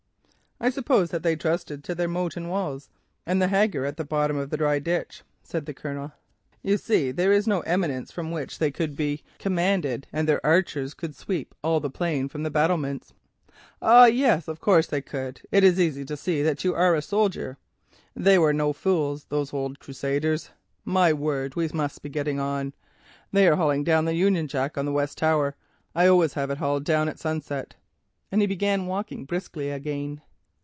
"I suppose that they trusted to their moat and walls, and the hagger at the bottom of the dry ditch," said the Colonel. "You see there is no eminence from which they could be commanded, and their archers could sweep all the plain from the battlements." "Ah, yes, of course they could. It is easy to see that you are a soldier. They were no fools, those old crusaders. My word, we must be getting on. They are hauling down the Union Jack on the west tower. I always have it hauled down at sunset," and he began walking briskly again.